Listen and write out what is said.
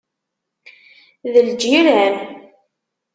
D lǧiran.